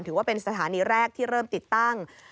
ถือว่าเป็นสถานีแรกที่เริ่มติดตั้ง